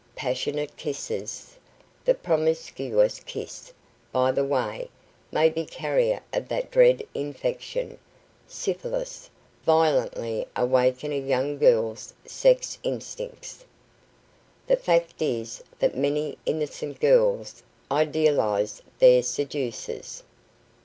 Passionate kisses the promiscuous kiss, by the way, may be the carrier of that dread infection, syphilis violently awaken a young girl's sex instincts. The fact is that many innocent girls idealize their seducers.